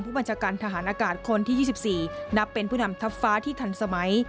บัญชาการทหารอากาศคนที่๒๔นับเป็นผู้นำทัพฟ้าที่ทันสมัย